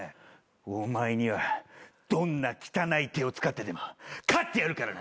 お前にはどんな汚い手を使ってでも勝ってやるからな。